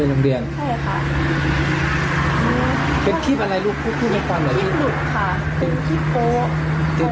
อืม